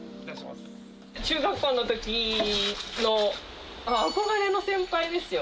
中学校のときの憧れの先輩ですよ。